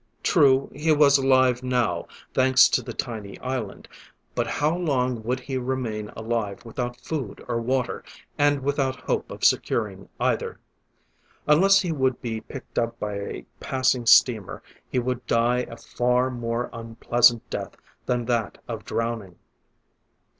True, he was alive now, thanks to the tiny island, but how long would he remain alive without food or water, and without hope of securing either? Unless he would be picked up by a passing steamer, he would die a far more unpleasant death than that of drowning.